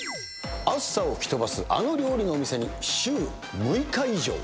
暑さを吹き飛ばすあの料理のお店に週６日以上。